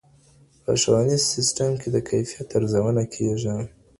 په ښوونیز سیسټم کي د کیفیت ارزونه کېږي.